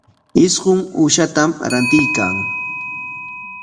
Isqun uushatam rantiykan.